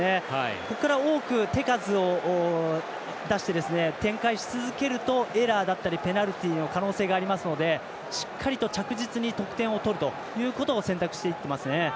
ここから多く手数を出して展開し続けるとエラーだったりペナルティの可能性がありますのでしっかりと着実に得点を取るということを選択していってますね。